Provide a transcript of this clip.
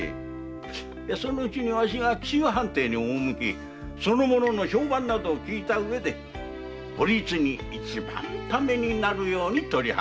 そのうちにわしが紀州藩邸に赴きその者の評判など聞いたうえでお律に一番ためになるように取り計らうゆえ。